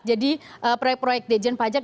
jadi proyek proyek ditjen pajak